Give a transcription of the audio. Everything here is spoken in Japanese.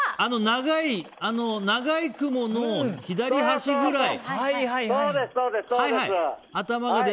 長い雲の左端ぐらい。